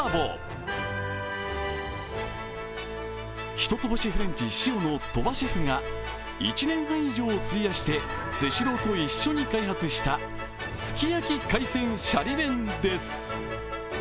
一つ星フレンチｓｉｏの鳥羽シェフが１年半以上費やしてスシローと一緒に開発したすき焼き海鮮しゃり弁です。